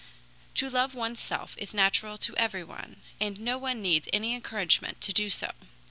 To love one's self is natural to everyone, and no one needs any encouragement to do so.